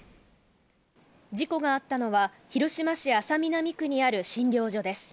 事故があったのは広島市安佐南区にある診療所です。